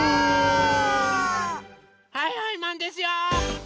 はいはいマンですよ！